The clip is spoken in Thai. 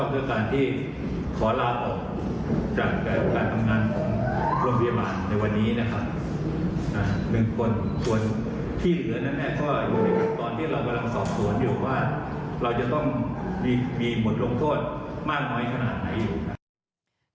มีหมดลงโทษมากมายขนาดไหนอยู่